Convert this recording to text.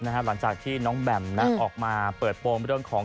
หลังจากที่น้องแบมเปิดโปรงมันเรื่องของ